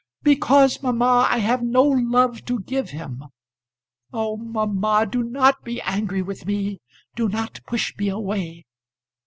"Because, mamma, I have no love to give him. Oh, mamma, do not be angry with me; do not push me away.